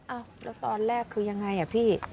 แล้วตอนแรกคือยังไงอ่ะพี่